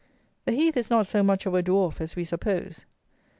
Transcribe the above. The heath is not so much of a dwarf as we suppose.